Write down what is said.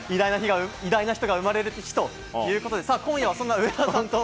偉大な人が生まれる日ということで、今夜はそんな上田さんと。